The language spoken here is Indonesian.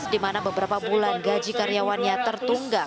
di mana beberapa bulan gaji karyawannya tertunggak